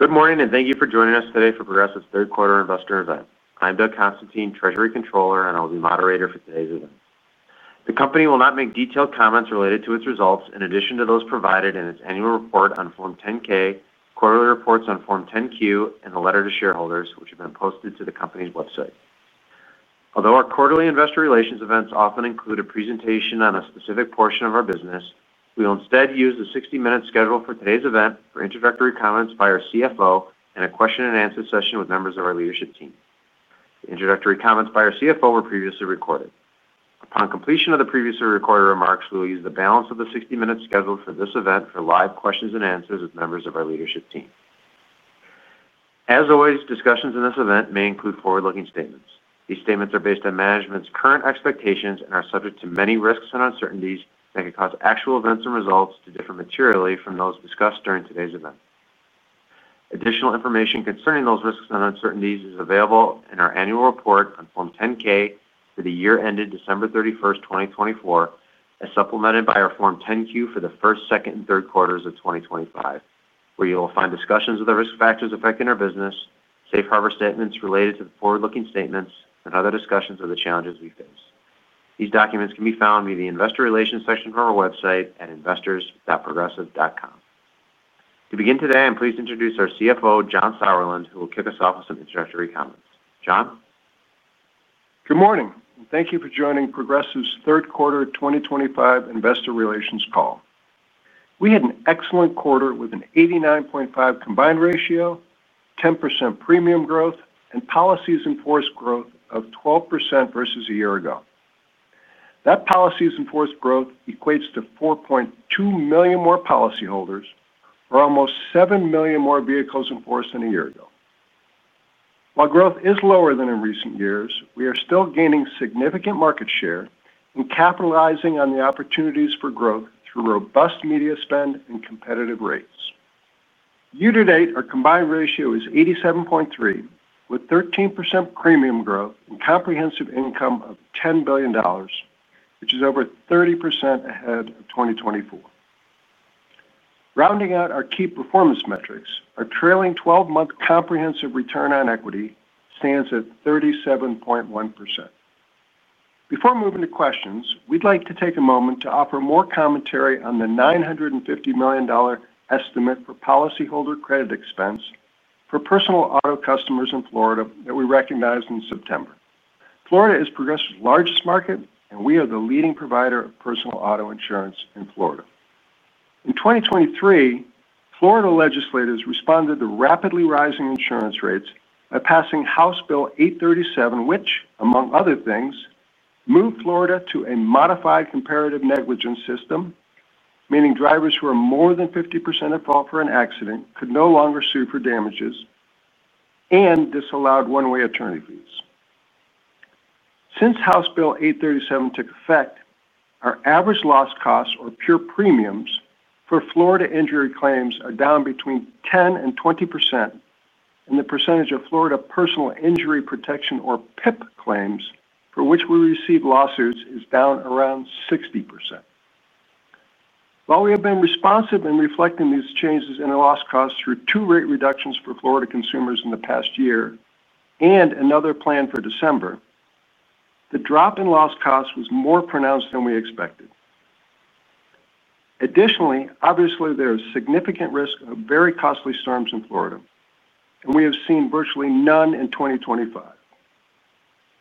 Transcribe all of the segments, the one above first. Good morning and thank you for joining us today for Progressive's third quarter investor event. I'm Doug Constantine, Treasury Controller, and I will be the moderator for today's event. The company will not make detailed comments related to its results in addition to those provided in its annual report on Form 10-K, quarterly reports on Form 10-Q, and the letter to shareholders, which have been posted to the company's website. Although our quarterly investor relations events often include a presentation on a specific portion of our business, we will instead use the 60-minute schedule for today's event for introductory comments by our CFO and a question-and-answer session with members of our leadership team. The introductory comments by our CFO were previously recorded. Upon completion of the previously recorded remarks, we will use the balance of the 60-minute schedule for this event for live questions and answers with members of our leadership team. As always, discussions in this event may include forward-looking statements. These statements are based on management's current expectations and are subject to many risks and uncertainties that could cause actual events and results to differ materially from those discussed during today's event. Additional information concerning those risks and uncertainties is available in our annual report on Form 10-K for the year ended December 31st, 2024, as supplemented by our Form 10-Q for the first, second, and third quarters of 2025, where you will find discussions of the risk factors affecting our business, safe harbor statements related to the forward-looking statements, and other discussions of the challenges we face. These documents can be found via the investor relations section of our website at investors.progressive.com. To begin today, I'm pleased to introduce our CFO, John Sauerland, who will kick us off with some introductory comments. John. Good morning. Thank you for joining Progressive's third quarter 2025 investor relations call. We had an excellent quarter with an 89.5% combined ratio, 10% premium growth, and policies in force growth of 12% versus a year ago. That policies in force growth equates to 4.2 million more policyholders or almost 7 million more vehicles in force than a year ago. While growth is lower than in recent years, we are still gaining significant market share and capitalizing on the opportunities for growth through robust media spend and competitive rates. Year to date, our combined ratio is 87.3% with 13% premium growth and comprehensive income of $10 billion, which is over 30% ahead of 2024. Rounding out our key performance metrics, our trailing 12-month comprehensive return on equity stands at 37.1%. Before moving to questions, we'd like to take a moment to offer more commentary on the $950 million estimate for policyholder credit expense for personal auto customers in Florida that we recognized in September. Florida is Progressive's largest market, and we are the leading provider of personal auto insurance in Florida. In 2023, Florida legislators responded to rapidly rising insurance rates by passing House Bill 837, which, among other things, moved Florida to a modified comparative negligence system, meaning drivers who are more than 50% at fault for an accident could no longer sue for damages, and this allowed one-way attorney fees. Since House Bill 837 took effect, our average loss costs, or pure premiums for Florida injury claims, are down between 10% and 20%, and the percentage of Florida personal injury protection, or PIP claims, for which we receive lawsuits is down around 60%. While we have been responsive in reflecting these changes in loss costs through two rate reductions for Florida consumers in the past year and another plan for December. The drop in loss costs was more pronounced than we expected. Additionally, obviously, there is significant risk of very costly storms in Florida, and we have seen virtually none in 2025.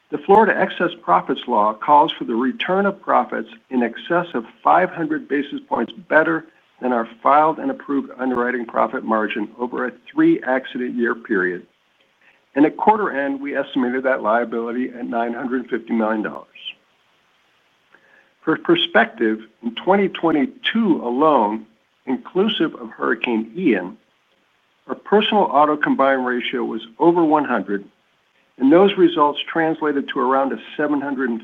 The Florida Excess Profits Law calls for the return of profits in excess of 500 basis points better than our filed and approved underwriting profit margin over a three-accident year period, and at quarter end, we estimated that liability at $950 million. For perspective, in 2022 alone, inclusive of Hurricane Ian, our personal auto combined ratio was over 100%, and those results translated to around a $750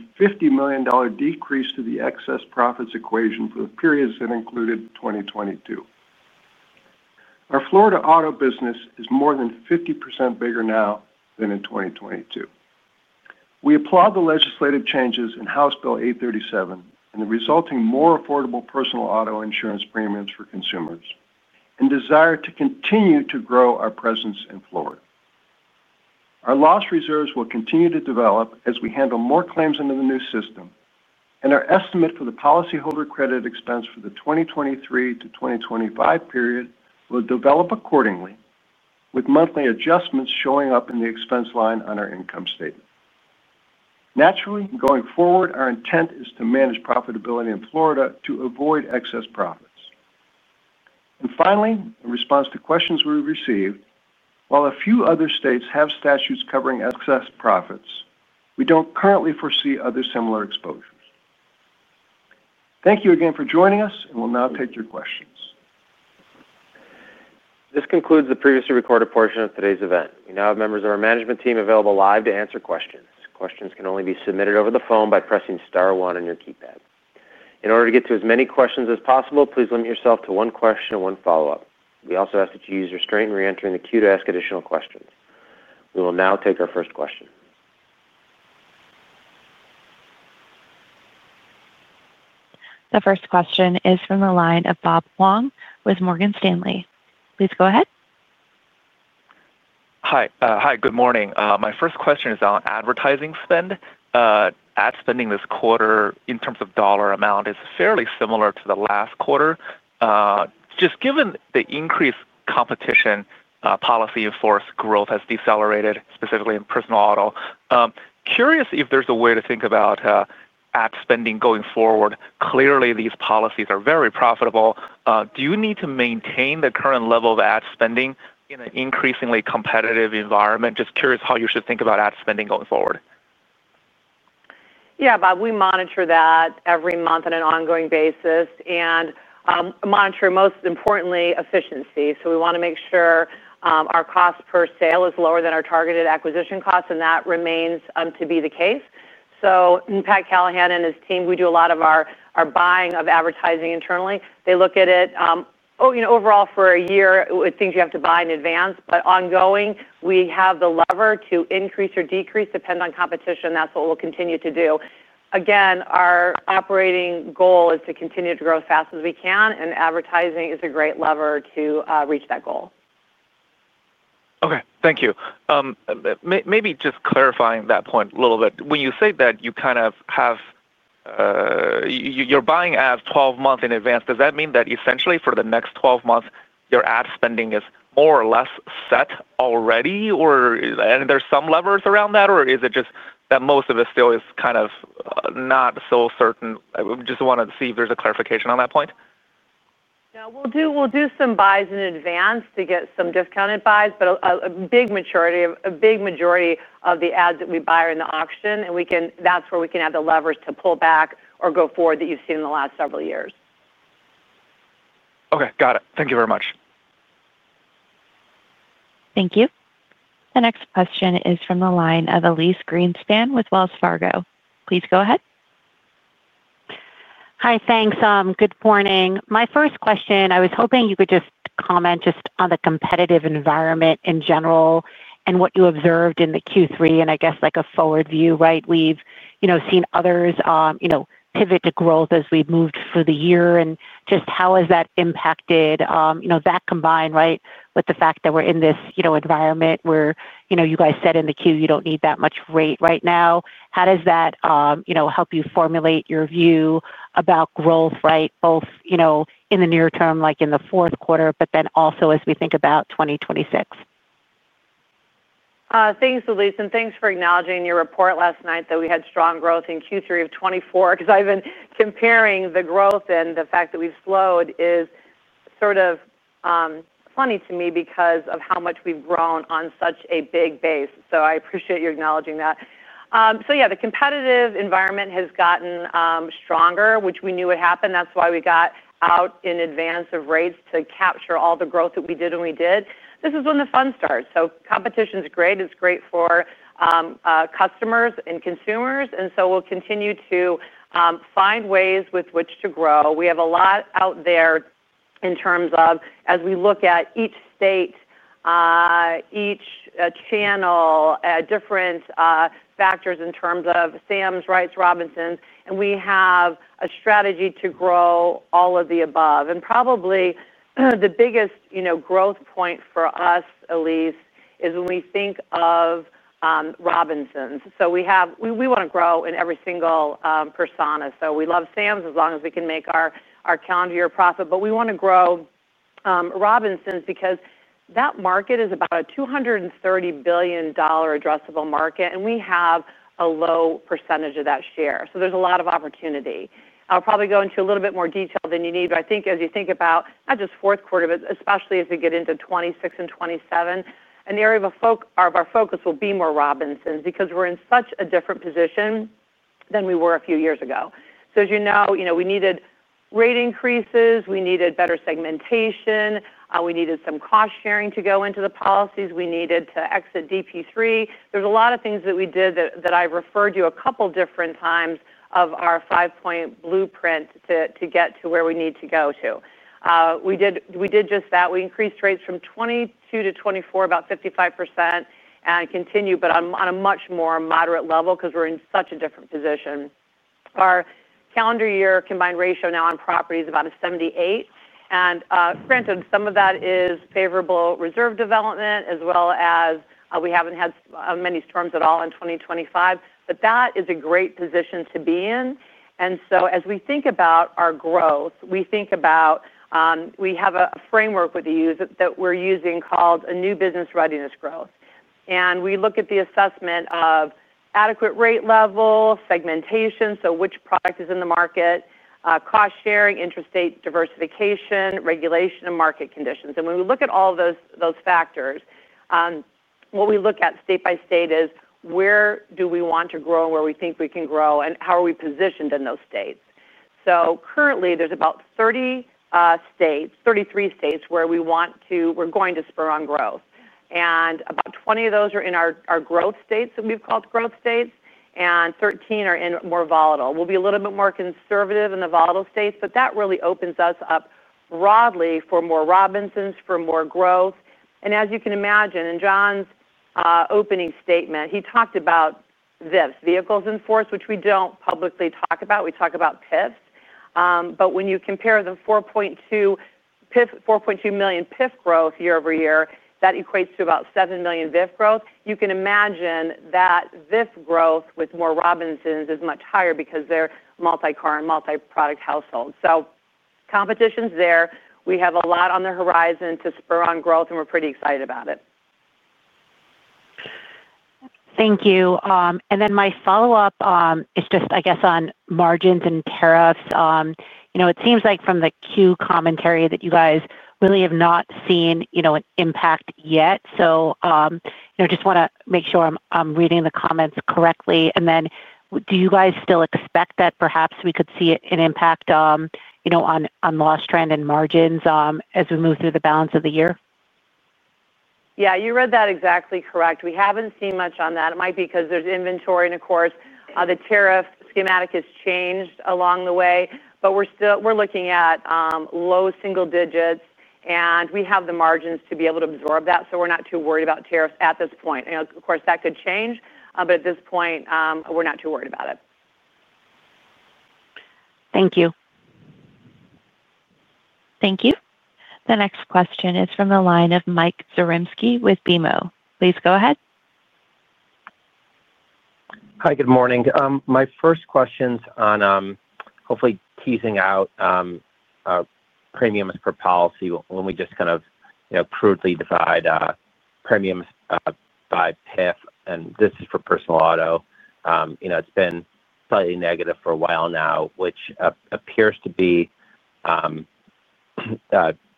million decrease to the excess profits equation for the periods that included 2022. Our Florida auto business is more than 50% bigger now than in 2022. We applaud the legislative changes in House Bill 837 and the resulting more affordable personal auto insurance premiums for consumers and desire to continue to grow our presence in Florida. Our loss reserves will continue to develop as we handle more claims into the new system, and our estimate for the policyholder credit expense for the 2023 to 2025 period will develop accordingly, with monthly adjustments showing up in the expense line on our income statement. Naturally, going forward, our intent is to manage profitability in Florida to avoid excess profits. And finally, in response to questions we've received, while a few other states have statutes covering excess profits, we don't currently foresee other similar exposures. Thank you again for joining us, and we'll now take your questions. This concludes the previously recorded portion of today's event. We now have members of our management team available live to answer questions. Questions can only be submitted over the phone by pressing star one on your keypad. In order to get to as many questions as possible, please limit yourself to one question and one follow-up. We also ask that you use the star key in re-entering the queue to ask additional questions. We will now take our first question. The first question is from the line of Bob Huang with Morgan Stanley. Please go ahead. Hi, good morning. My first question is on advertising spend. Ad spending this quarter, in terms of dollar amount, is fairly similar to the last quarter. Just given the increased competition, policy in-force growth has decelerated, specifically in personal auto. Curious if there's a way to think about ad spending going forward. Clearly, these policies are very profitable. Do you need to maintain the current level of ad spending in an increasingly competitive environment? Just curious how you should think about ad spending going forward. Yeah, Bob, we monitor that every month on an ongoing basis and monitor, most importantly, efficiency. So we want to make sure our cost per sale is lower than our targeted acquisition costs, and that remains to be the case. So Pat Callahan and his team, we do a lot of our buying of advertising internally. They look at it. Overall for a year, things you have to buy in advance, but ongoing, we have the lever to increase or decrease depending on competition. That's what we'll continue to do. Again, our operating goal is to continue to grow as fast as we can, and advertising is a great lever to reach that goal. Okay, thank you. Maybe just clarifying that point a little bit. When you say that you kind of have, you're buying ads 12 months in advance, does that mean that essentially for the next 12 months, your ad spending is more or less set already? Are there some levers around that, or is it just that most of it still is kind of not so certain? I just wanted to see if there's a clarification on that point. Yeah, we'll do some buys in advance to get some discounted buys, but a big majority of the ads that we buy are in the auction, and that's where we can have the levers to pull back or go forward that you've seen in the last several years. Okay, got it. Thank you very much. Thank you. The next question is from the line of Elyse Greenspan with Wells Fargo. Please go ahead. Hi, thanks. Good morning. My first question, I was hoping you could just comment just on the competitive environment in general and what you observed in the Q3 and I guess like a forward view, right? We've seen others pivot to growth as we've moved through the year and just how has that impacted that combined, right, with the fact that we're in this environment where you guys said in the Q you don't need that much rate right now. How does that help you formulate your view about growth, right, both in the near term like in the fourth quarter, but then also as we think about 2026? Thanks, Elyse, and thanks for acknowledging your report last night that we had strong growth in Q3 of 2024 because I've been comparing the growth and the fact that we've slowed is sort of funny to me because of how much we've grown on such a big base. So I appreciate you acknowledging that. So yeah, the competitive environment has gotten stronger, which we knew would happen. That's why we got out in advance of rates to capture all the growth that we did when we did. This is when the fun starts. So competition's great. It's great for customers and consumers, and so we'll continue to find ways with which to grow. We have a lot out there in terms of as we look at each state, each channel, different factors in terms of Sams, Wrights, Robinsons, and we have a strategy to grow all of the above. And probably the biggest growth point for us, Elyse, is when we think of Robinsons. So we want to grow in every single persona. So we love Sams as long as we can make our calendar year profit, but we want to grow Robinsons because that market is about a $230 billion addressable market, and we have a low percentage of that share. So there's a lot of opportunity. I'll probably go into a little bit more detail than you need, but I think as you think about not just fourth quarter, but especially as we get into 2026 and 2027, an area of our focus will be more Robinsons because we're in such a different position than we were a few years ago. So as you know, we needed rate increases, we needed better segmentation, we needed some cost sharing to go into the policies, we needed to exit DP-3. There's a lot of things that we did that I've referred to a couple different times of our five-point blueprint to get to where we need to go to. We did just that. We increased rates from 2022 to 2024, about 55%, and continue, but on a much more moderate level because we're in such a different position. Our calendar year combined ratio now on properties is about a 78%. And granted, some of that is favorable reserve development, as well as we haven't had many storms at all in 2025, but that is a great position to be in. And so as we think about our growth, we think about we have a framework with the youth that we're using called a new business readiness growth. And we look at the assessment of adequate rate level, segmentation, so which product is in the market, cost sharing, interest rate diversification, regulation, and market conditions. And when we look at all of those factors, what we look at state by state is where do we want to grow and where we think we can grow and how are we positioned in those states. So currently, there's about 30. States, 33 states where we want to, we're going to spur on growth. About 20 of those are in our growth states that we've called growth states, and 13 are in more volatile. We'll be a little bit more conservative in the volatile states, but that really opens us up broadly for more Robinsons, for more growth. As you can imagine, in John's opening statement, he talked about vehicles in force, which we don't publicly talk about. We talk about PIFs. But when you compare the 4.2 million PIF growth year-over-year, that equates to about 7 million VIF growth. You can imagine that VIF growth with more Robinsons is much higher because they're multi-car and multi-product households. Competition's there. We have a lot on the horizon to spur on growth, and we're pretty excited about it. Thank you. And then my follow-up is just, I guess, on margins and tariffs. It seems like from the queue commentary that you guys really have not seen an impact yet. So. I just want to make sure I'm reading the comments correctly. And then do you guys still expect that perhaps we could see an impact on loss trend and margins as we move through the balance of the year? Yeah, you read that exactly correct. We haven't seen much on that. It might be because there's inventory and, of course, the tariff scenario has changed along the way. But we're looking at low single digits, and we have the margins to be able to absorb that, so we're not too worried about tariffs at this point. Of course, that could change, but at this point, we're not too worried about it. Thank you. Thank you. The next question is from the line of Mike Zaremski with BMO. Please go ahead. Hi, good morning. My first question's on hopefully teasing out premiums per policy when we just kind of crudely divide premiums by PIF, and this is for personal auto. It's been slightly negative for a while now, which appears to be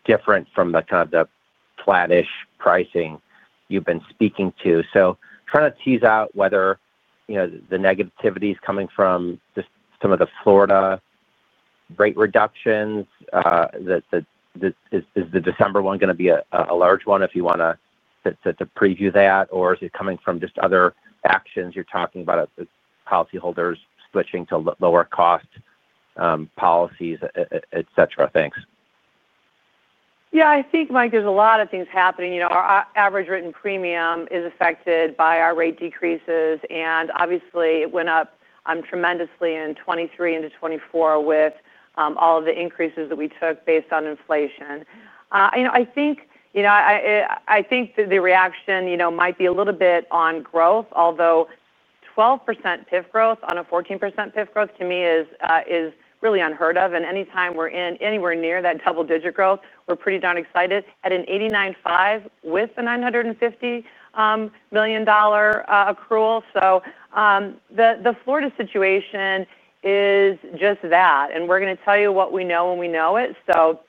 different from the kind of the flattish pricing you've been speaking to. So trying to tease out whether the negativity is coming from just some of the Florida rate reductions. Is the December one going to be a large one if you want to preview that, or is it coming from just other actions you're talking about, policyholders switching to lower cost policies, etc.? Thanks. Yeah, I think, Mike, there's a lot of things happening. Our average written premium is affected by our rate decreases, and obviously, it went up tremendously in 2023 into 2024 with all of the increases that we took based on inflation. I think the reaction might be a little bit on growth, although 12% PIF growth on a 14% PIF growth to me is really unheard of. And anytime we're anywhere near that double-digit growth, we're pretty darn excited at an $89.5 million with a $950 million accrual, so the Florida situation is just that, and we're going to tell you what we know when we know it, so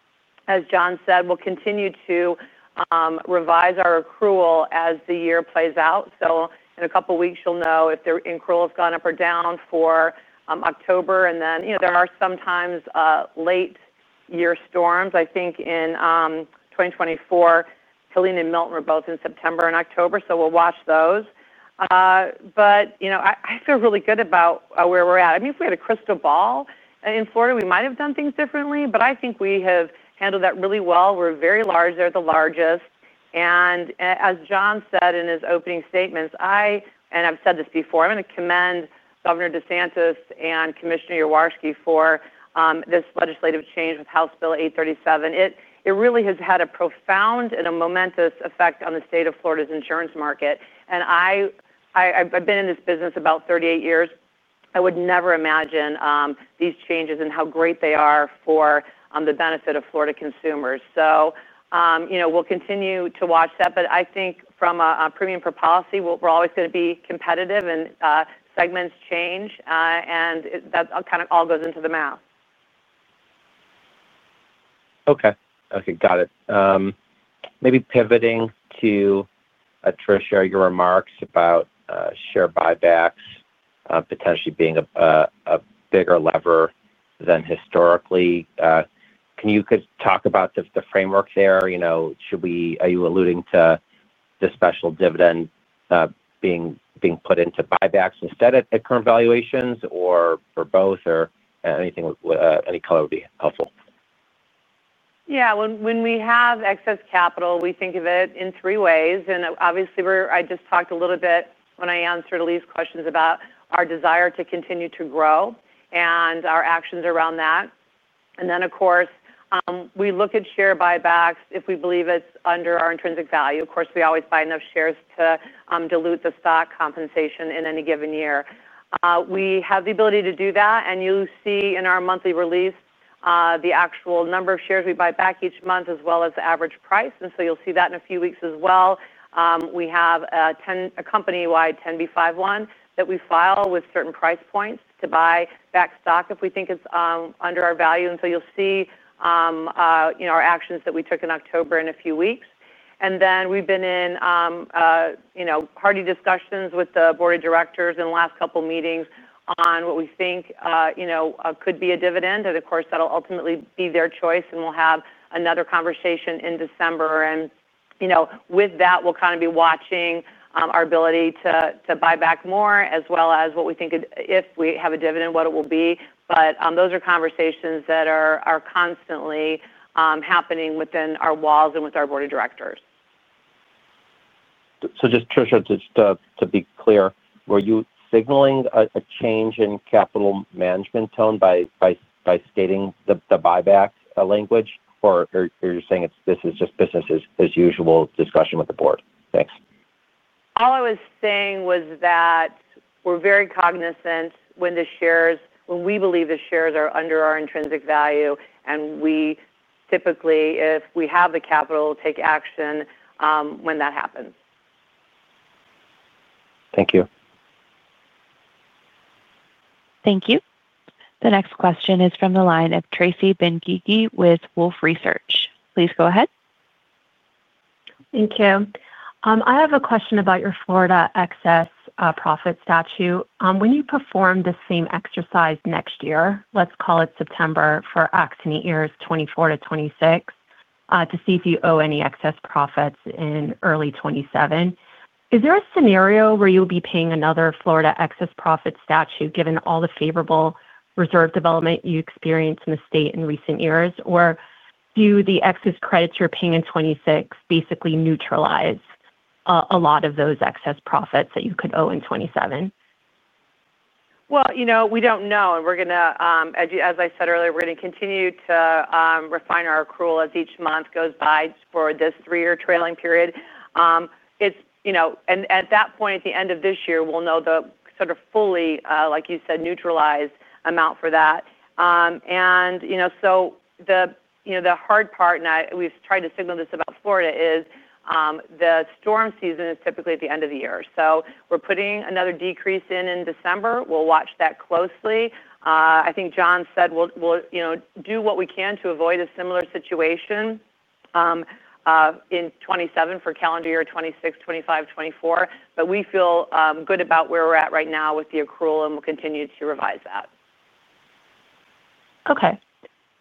as John said, we'll continue to revise our accrual as the year plays out, so in a couple of weeks, you'll know if the accrual has gone up or down for October. And then there are sometimes late-year storms. I think in 2024, Helene and Milton were both in September and October, so we'll watch those, but I feel really good about where we're at. I mean, if we had a crystal ball in Florida, we might have done things differently, but I think we have handled that really well. We're very large. They're the largest. And as John said in his opening statements, and I've said this before, I'm going to commend Governor DeSantis and Commissioner Yaworsky for this legislative change with House Bill 837. It really has had a profound and a momentous effect on the state of Florida's insurance market, and I've been in this business about 38 years. I would never imagine these changes and how great they are for the benefit of Florida consumers, so we'll continue to watch that, but I think from a premium per policy, we're always going to be competitive, and segments change, and that kind of all goes into the math. Okay. Okay, got it. Maybe pivoting to attrition, your remarks about share buybacks potentially being a bigger lever than historically. Can you talk about the framework there? Are you alluding to the special dividend being put into buybacks instead at current valuations, or both, or anything? Any color would be helpful. Yeah. When we have excess capital, we think of it in three ways. And obviously, I just talked a little bit when I answered Elyse's questions about our desire to continue to grow and our actions around that. And then, of course, we look at share buybacks if we believe it's under our intrinsic value. Of course, we always buy enough shares to dilute the stock compensation in any given year. We have the ability to do that, and you'll see in our monthly release the actual number of shares we buy back each month, as well as the average price. And so you'll see that in a few weeks as well. We have a company-wide 10b5-1 that we file with certain price points to buy back stock if we think it's under our value. And so you'll see our actions that we took in October in a few weeks. And then we've been in hearty discussions with the Board of Directors in the last couple of meetings on what we think could be a dividend. And of course, that'll ultimately be their choice, and we'll have another conversation in December. And with that, we'll kind of be watching our ability to buy back more, as well as what we think if we have a dividend, what it will be. But those are conversations that are constantly happening within our walls and with our Board of Directors. So just to be clear, were you signaling a change in capital management tone by stating the buyback language, or are you saying this is just business-as-usual discussion with the board? Thanks. All I was saying was that. We're very cognizant when the shares, when we believe the shares are under our intrinsic value, and we typically, if we have the capital, take action when that happens. Thank you. Thank you. The next question is from the line of Tracy Benguigui with Wolfe Research. Please go ahead. Thank you. I have a question about your Florida excess profits statute. When you perform the same exercise next year, let's call it September for accident years 2024 to 2026. To see if you owe any excess profits in early 2027. Is there a scenario where you'll be paying another Florida excess profits statute given all the favorable reserve development you experienced in the state in recent years, or do the excess credits you're paying in 2026 basically neutralize a lot of those excess profits that you could owe in 2027? We don't know. As I said earlier, we're going to continue to refine our accrual as each month goes by for this three-year trailing period. At that point, at the end of this year, we'll know the sort of fully, like you said, neutralized amount for that. So the hard part, and we've tried to signal this about Florida, is the storm season is typically at the end of the year. We're putting another decrease in December. We'll watch that closely. I think John said we'll do what we can to avoid a similar situation in 2027 for calendar year 2026, 2025, 2024. But we feel good about where we're at right now with the accrual, and we'll continue to revise that. Okay.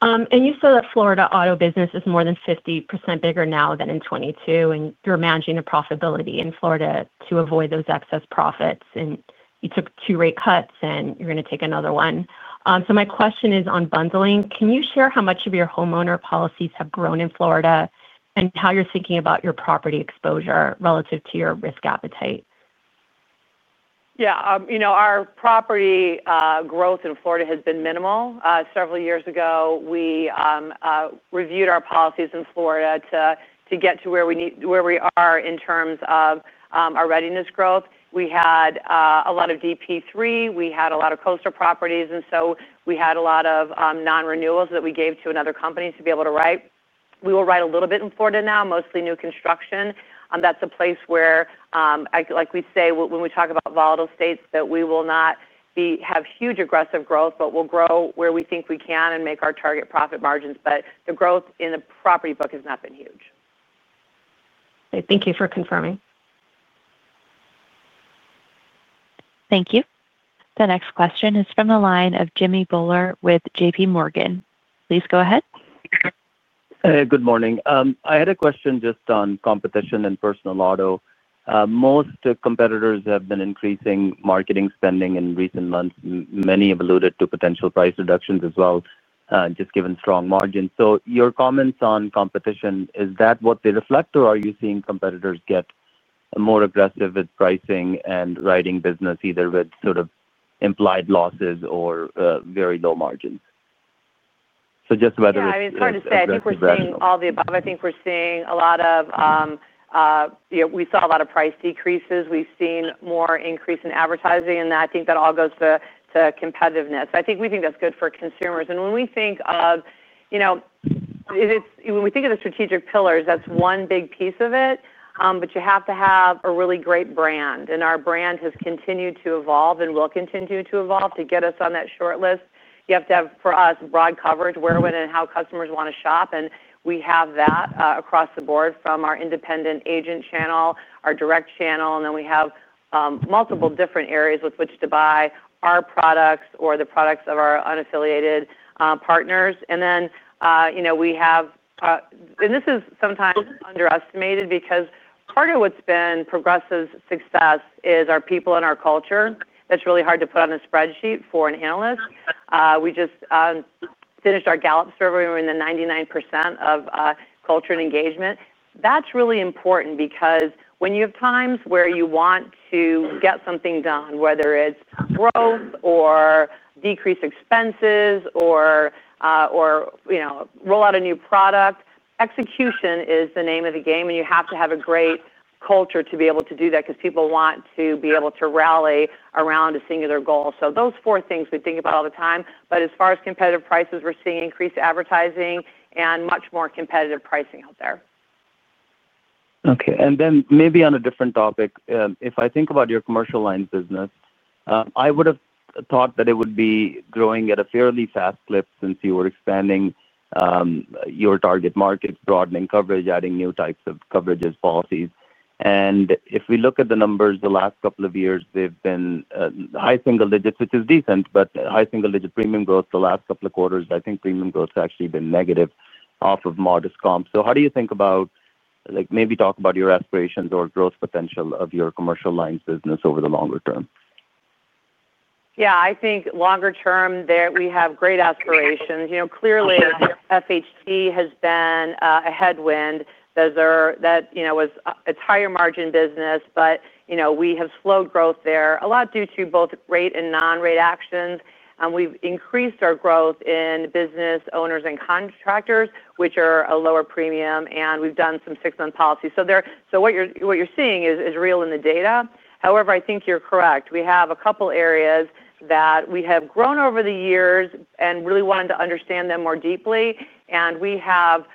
And you said that Florida auto business is more than 50% bigger now than in 2022, and you're managing the profitability in Florida to avoid those excess profits. And you took two rate cuts, and you're going to take another one. So my question is on bundling. Can you share how much of your homeowner policies have grown in Florida and how you're thinking about your property exposure relative to your risk appetite? Yeah. Our property growth in Florida has been minimal. Several years ago, we reviewed our policies in Florida to get to where we are in terms of our readiness growth. We had a lot of DP-3. We had a lot of coastal properties. And so we had a lot of non-renewals that we gave to another company to be able to write. We will write a little bit in Florida now, mostly new construction. That's a place where, like we say when we talk about volatile states, that we will not have huge aggressive growth, but we'll grow where we think we can and make our target profit margins. But the growth in the property book has not been huge. Thank you for confirming. Thank you. The next question is from the line of Jimmy Bhullar with JPMorgan. Please go ahead. Good morning. I had a question just on competition and personal auto. Most competitors have been increasing marketing spending in recent months. Many have alluded to potential price reductions as well, just given strong margins. So your comments on competition, is that what they reflect, or are you seeing competitors get more aggressive with pricing and writing business, either with sort of implied losses or very low margins? So just whether it's the same or not. Yeah. I mean, it's hard to say. We're seeing all the above. I think we're seeing a lot of. We saw a lot of price decreases. We've seen more increase in advertising. And I think that all goes to competitiveness. I think we think that's good for consumers. And when we think of. When we think of the strategic pillars, that's one big piece of it. But you have to have a really great brand. And our brand has continued to evolve and will continue to evolve to get us on that shortlist. You have to have, for us, broad coverage, where, with, and how customers want to shop. And we have that across the board from our independent agent channel, our direct channel, and then we have multiple different areas with which to buy our products or the products of our unaffiliated partners. And then we have. And this is sometimes underestimated because part of what's been Progressive's success is our people and our culture. That's really hard to put on a spreadsheet for an analyst. We just. Finished our Gallup survey where we were in the 99% of culture and engagement. That's really important because when you have times where you want to get something done, whether it's growth or decrease expenses or. Roll out a new product, execution is the name of the game, and you have to have a great culture to be able to do that because people want to be able to rally around a singular goal. So those four things we think about all the time. But as far as competitive prices, we're seeing increased advertising and much more competitive pricing out there. Okay. And then maybe on a different topic, if I think about your commercial lines business. I would have thought that it would be growing at a fairly fast clip since you were expanding your target markets, broadening coverage, adding new types of coverages, policies. And if we look at the numbers the last couple of years, they've been high single digits, which is decent, but high single digit premium growth the last couple of quarters, I think premium growth has actually been negative off of modest comps. So, how do you think about it? Maybe talk about your aspirations or growth potential of your commercial lines business over the longer term? Yeah. I think longer term, we have great aspirations. Clearly, FHT has been a headwind. That was a tighter margin business, but we have slowed growth there, a lot due to both rate and non-rate actions. We've increased our growth in business owners and contractors, which are a lower premium, and we've done some six-month policies. So what you're seeing is real in the data. However, I think you're correct. We have a couple of areas that we have grown over the years and really wanted to understand them more deeply. And we have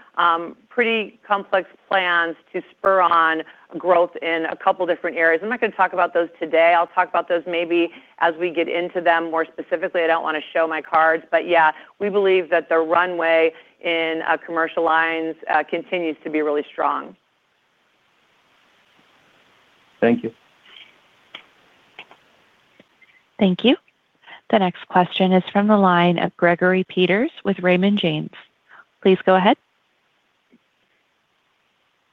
pretty complex plans to spur on growth in a couple of different areas. I'm not going to talk about those today. I'll talk about those maybe as we get into them more specifically. I don't want to show my cards. But yeah, we believe that the runway in commercial lines continues to be really strong. Thank you. Thank you. The next question is from the line of Gregory Peters with Raymond James. Please go ahead.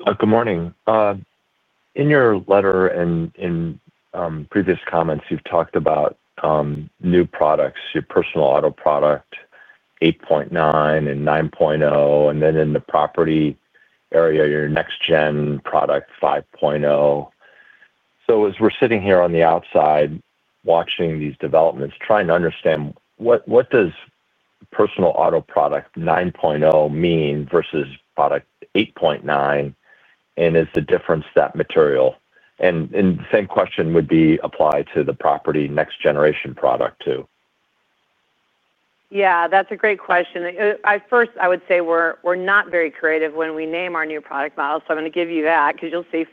Good morning. In your letter and in previous comments, you've talked about new products, your personal auto product 8.9 and 9.0, and then in the property area, your next-gen product 5.0. So as we're sitting here on the outside watching these developments, trying to understand what does personal auto product 9.0 mean versus product 8.9? And is the difference that material? And the same question would be applied to the property next-generation product too. Yeah. That's a great question. First, I would say we're not very creative when we name our new product model. So I'm going to give you that because you'll see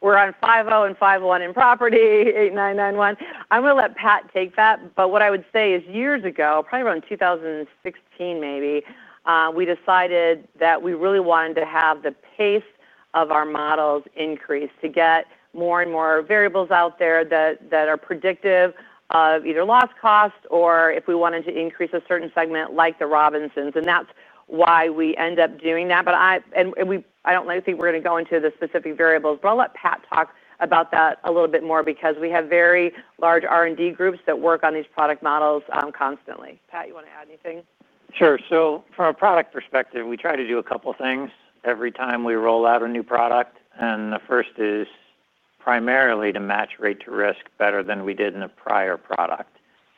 we're on 5.0 and 5.1 in property 8991. I'm going to let Pat take that. But what I would say is years ago, probably around 2016 maybe, we decided that we really wanted to have the pace of our models increase to get more and more variables out there that are predictive of either loss cost or if we wanted to increase a certain segment like the Robinsons. And that's why we end up doing that. And I don't think we're going to go into the specific variables, but I'll let Pat talk about that a little bit more because we have very large R&D groups that work on these product models constantly. Pat, you want to add anything? Sure. So from a product perspective, we try to do a couple of things every time we roll out a new product. And the first is primarily to match rate to risk better than we did in a prior product.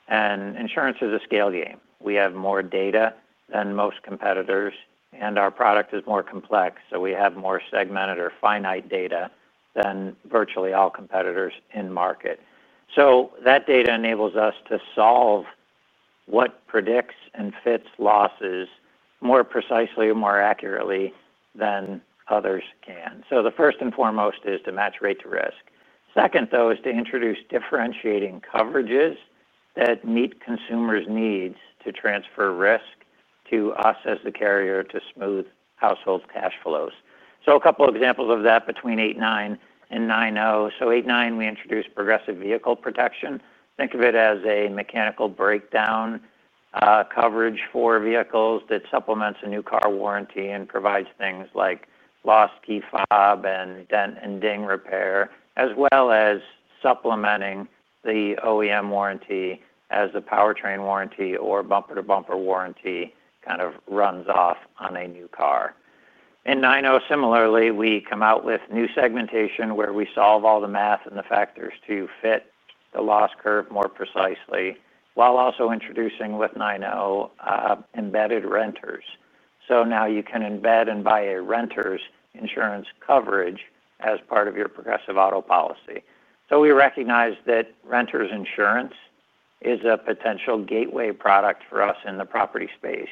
And insurance is a scale game. We have more data than most competitors, and our product is more complex. So we have more segmented or finite data than virtually all competitors in market. So that data enables us to solve what predicts and fits losses more precisely and more accurately than others can. So the first and foremost is to match rate to risk. Second, though, is to introduce differentiating coverages that meet consumers' needs to transfer risk to us as the carrier to smooth household cash flows. So a couple of examples of that between 8.9 and 9.0. So 8.9, we introduced Progressive Vehicle Protection. Think of it as a mechanical breakdown coverage for vehicles that supplements a new car warranty and provides things like lost key fob and dent and ding repair, as well as supplementing the OEM warranty as the powertrain warranty or bumper-to-bumper warranty kind of runs off on a new car. In 9.0, similarly, we come out with new segmentation where we solve all the math and the factors to fit the loss curve more precisely while also introducing with 9.0 embedded renters. So now you can embed and buy a renter's insurance coverage as part of your Progressive auto policy. So we recognize that renter's insurance is a potential gateway product for us in the property space.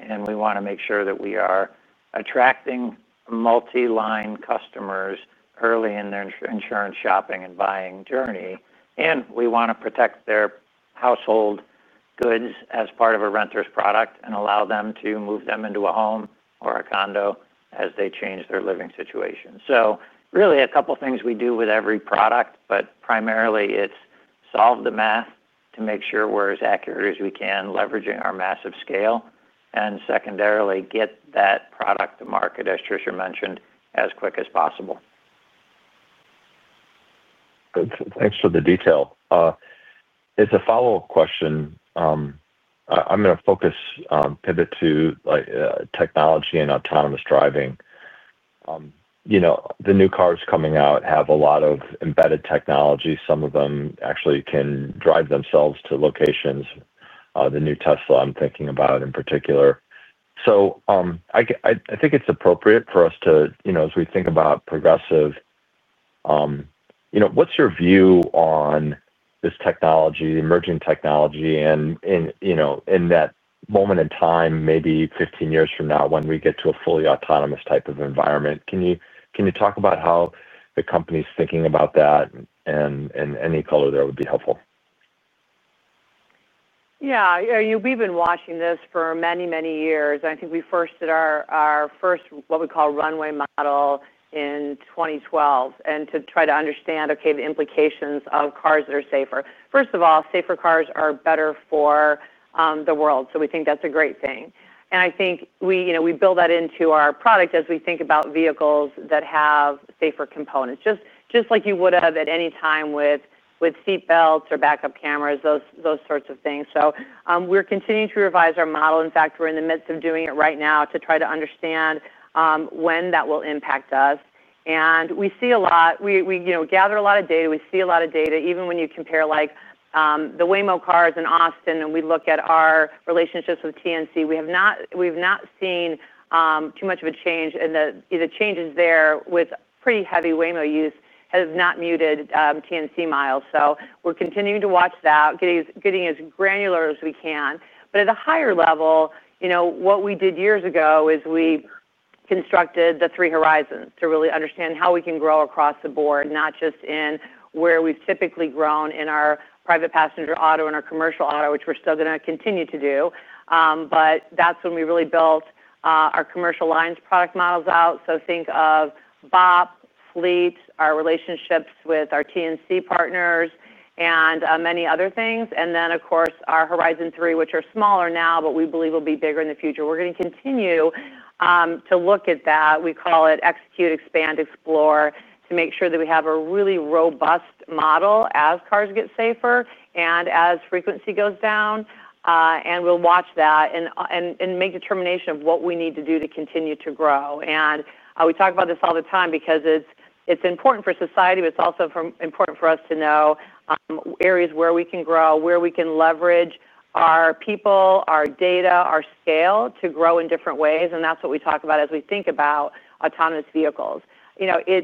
And we want to make sure that we are attracting multi-line customers early in their insurance shopping and buying journey. And we want to protect their household goods as part of a renter's product and allow them to move them into a home or a condo as they change their living situation. So really, a couple of things we do with every product, but primarily, it's solve the math to make sure we're as accurate as we can leveraging our massive scale. And secondarily, get that product to market, as Tricia mentioned, as quick as possible. Thanks for the detail. It's a follow-up question. I'm going to focus on pivot to technology and autonomous driving. The new cars coming out have a lot of embedded technology. Some of them actually can drive themselves to locations. The new Tesla, I'm thinking about in particular. So I think it's appropriate for us to, as we think about Progressive, what's your view on this technology, emerging technology, and in that moment in time, maybe 15 years from now, when we get to a fully autonomous type of environment? Can you talk about how the company's thinking about that? And any color there would be helpful. Yeah. We've been watching this for many, many years. I think we first did our first, what we call, runway model in 2012, and to try to understand, okay, the implications of cars that are safer. First of all, safer cars are better for the world. So we think that's a great thing. And I think we build that into our product as we think about vehicles that have safer components, just like you would have at any time with seat belts or backup cameras, those sorts of things. So we're continuing to revise our model. In fact, we're in the midst of doing it right now to try to understand when that will impact us. And we see a lot. We gather a lot of data. We see a lot of data. Even when you compare the Waymo cars in Austin and we look at our relationships with TNC, we have not seen too much of a change. And the changes there with pretty heavy Waymo use have not muted TNC miles. So we're continuing to watch that, getting as granular as we can. But at a higher level, what we did years ago is we constructed the three horizons to really understand how we can grow across the board, not just in where we've typically grown in our private passenger auto and our commercial auto, which we're still going to continue to do. But that's when we really built our commercial lines product models out. So think of bobtail fleet, our relationships with our TNC partners, and many other things. And then, of course, our Horizon 3, which are smaller now, but we believe will be bigger in the future. We're going to continue to look at that. We call it execute, expand, explore to make sure that we have a really robust model as cars get safer and as frequency goes down. And we'll watch that and make determination of what we need to do to continue to grow. And we talk about this all the time because it's important for society. It's also important for us to know areas where we can grow, where we can leverage our people, our data, our scale to grow in different ways. And that's what we talk about as we think about autonomous vehicles. The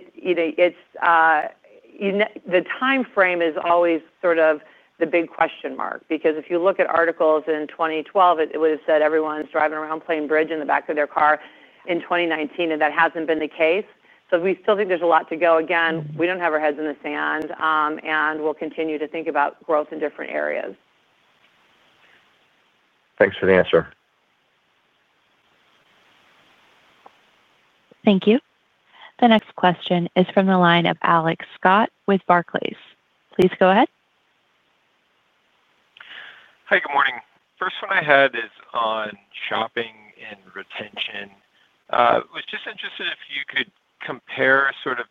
timeframe is always sort of the big question mark because if you look at articles in 2012, it would have said everyone's driving around playing bridge in the back of their car in 2019, and that hasn't been the case. So we still think there's a lot to go. Again, we don't have our heads in the sand, and we'll continue to think about growth in different areas. Thanks for the answer. Thank you. The next question is from the line of Alex Scott with Barclays. Please go ahead. Hi. Good morning. First one I had is on shopping and retention. I was just interested if you could compare sort of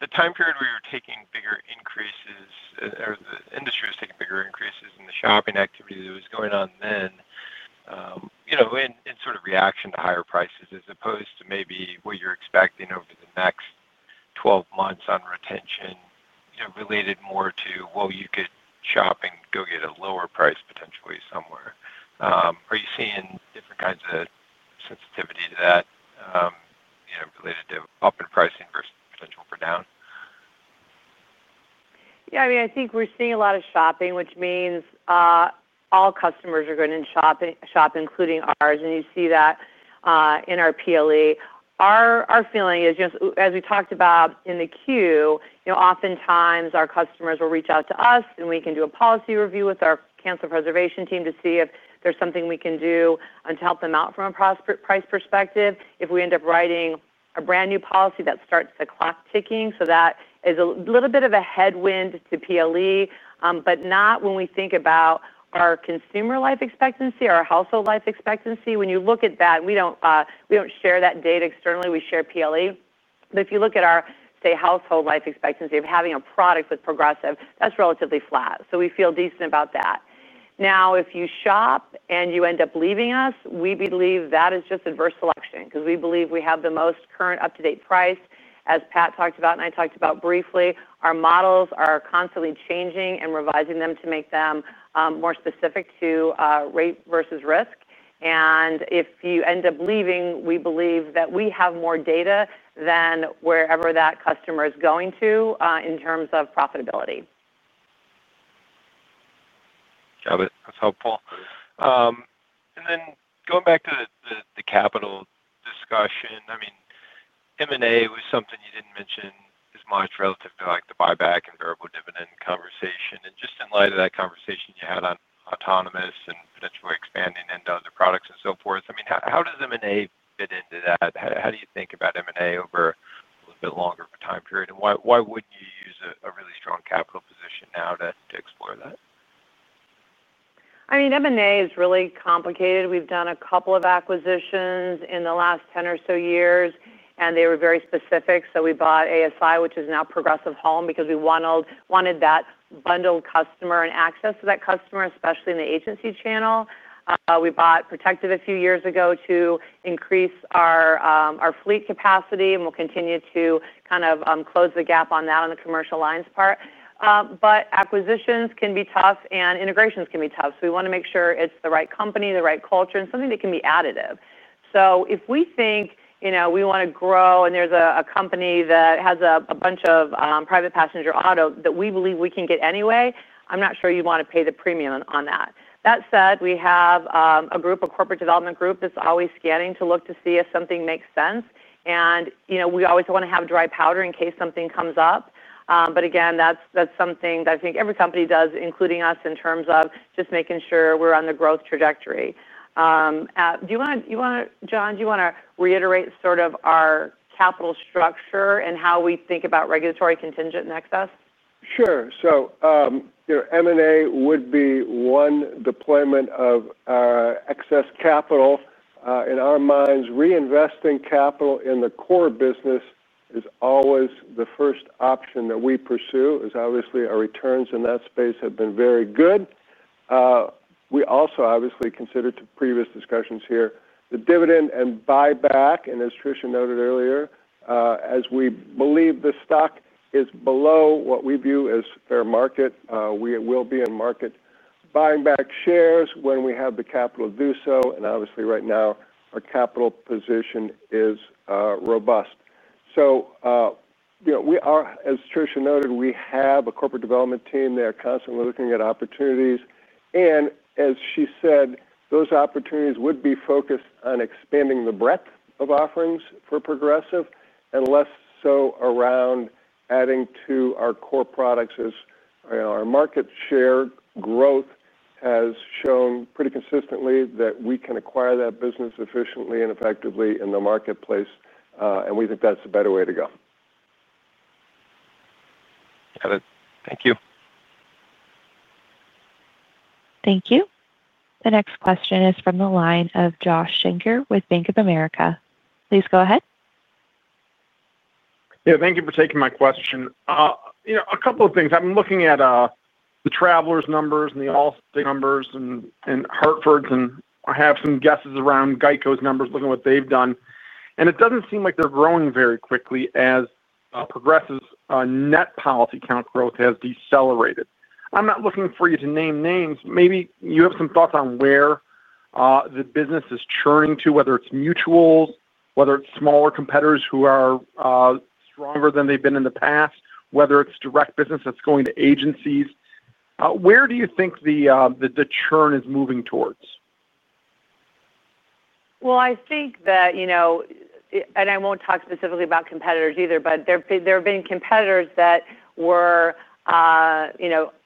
the time period we were taking bigger increases or the industry was taking bigger increases in the shopping activity that was going on then. In sort of reaction to higher prices as opposed to maybe what you're expecting over the next 12 months on retention related more to, well, you could shop and go get a lower price potentially somewhere. Are you seeing different kinds of sensitivity to that? Related to upward pricing versus potential for down? Yeah. I mean, I think we're seeing a lot of shopping, which means all customers are going to shop, including ours. And you see that in our PLE. Our feeling is, as we talked about in the queue, oftentimes our customers will reach out to us, and we can do a policy review with our cancel preservation team to see if there's something we can do to help them out from a price perspective. If we end up writing a brand new policy that starts the clock ticking, so that is a little bit of a headwind to PLE, but not when we think about our consumer life expectancy, our household life expectancy. When you look at that, we don't share that data externally. We share PLE. But if you look at our, say, household life expectancy of having a product with Progressive, that's relatively flat. So we feel decent about that. Now, if you shop and you end up leaving us, we believe that is just adverse selection because we believe we have the most current up-to-date price, as Pat talked about and I talked about briefly. Our models are constantly changing and revising them to make them more specific to rate versus risk. And if you end up leaving, we believe that we have more data than wherever that customer is going to in terms of profitability. Got it. That's helpful. And then going back to the capital discussion, I mean, M&A was something you didn't mention as much relative to the buyback and variable dividend conversation. And just in light of that conversation you had on autonomous and potentially expanding into other products and so forth, I mean, how does M&A fit into that? How do you think about M&A over a little bit longer of a time period? And why wouldn't you use a really strong capital position now to explore that? I mean, M&A is really complicated. We've done a couple of acquisitions in the last 10 or so years, and they were very specific. So we bought ASI, which is now Progressive Home, because we wanted that bundled customer and access to that customer, especially in the agency channel. We bought Protective a few years ago to increase our fleet capacity, and we'll continue to kind of close the gap on that on the commercial lines part. But acquisitions can be tough, and integrations can be tough. So we want to make sure it's the right company, the right culture, and something that can be additive. So if we think we want to grow and there's a company that has a bunch of private passenger auto that we believe we can get anyway, I'm not sure you'd want to pay the premium on that. That said, we have a group, a corporate development group that's always scanning to look to see if something makes sense. And we always want to have dry powder in case something comes up. But again, that's something that I think every company does, including us, in terms of just making sure we're on the growth trajectory. Do you want to, John, do you want to reiterate sort of our capital structure and how we think about regulatory contingent and excess? Sure. So, M&A would be one deployment of excess capital. In our minds, reinvesting capital in the core business is always the first option that we pursue, as obviously our returns in that space have been very good. We also obviously considered previous discussions here the dividend and buyback, and as Trisha noted earlier, as we believe the stock is below what we view as fair market, we will be in market buying back shares when we have the capital to do so. And obviously, right now, our capital position is robust. So, as Trisha noted, we have a corporate development team. They are constantly looking at opportunities. And as she said, those opportunities would be focused on expanding the breadth of offerings for Progressive and less so around adding to our core products as our market share growth has shown pretty consistently that we can acquire that business efficiently and effectively in the marketplace. And we think that's the better way to go. Got it. Thank you. Thank you. The next question is from the line of Josh Shanker with Bank of America. Please go ahead. Yeah. Thank you for taking my question. A couple of things. I'm looking at the Travelers numbers and the Allstate numbers and Hartford's, and I have some guesses around Geico's numbers, looking at what they've done. And it doesn't seem like they're growing very quickly as Progressive's net policy account growth has decelerated. I'm not looking for you to name names. Maybe you have some thoughts on where the business is churning to, whether it's mutuals, whether it's smaller competitors who are stronger than they've been in the past, whether it's direct business that's going to agencies. Where do you think the churn is moving towards? Well, I think that and I won't talk specifically about competitors either, but there have been competitors that were